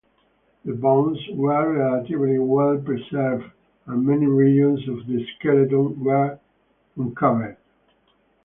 The bones were relatively well preserved, and many regions of the skeleton were uncovered.